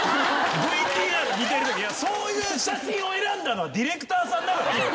そういう写真を選んだのはディレクターさんだから。